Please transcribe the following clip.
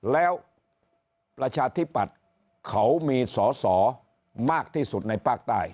แล้วประชาธิปัตย์เขามีสอสอมากที่สุดในภาคใต้